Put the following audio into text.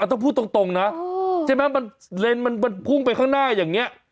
ต้องพูดตรงนะใช่ไหมเลนมันพุ่งไปข้างหน้าอย่างนี้